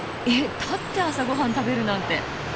立って朝ごはん食べるなんて。